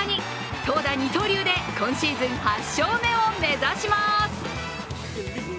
投打二刀流で今シーズン８勝目を目指します。